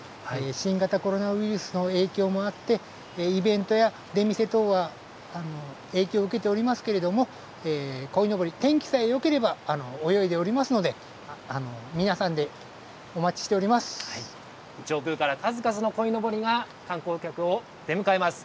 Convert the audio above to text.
新型コロナウイルスの影響もあって、イベントや出店等は影響を受けておりますけれども、こいのぼり、天気さえよければ泳いでおりますので、皆さんで、お待ちして上空から数々のこいのぼりが、観光客を出迎えます。